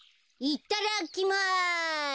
いっただきます！